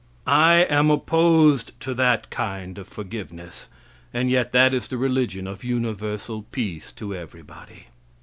I am opposed to that kind of forgiveness. And yet that is the religion of universal peace to everybody.